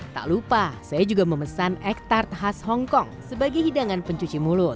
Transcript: tak lupa saya juga memesan ektart khas hongkong sebagai hidangan pencuci mulut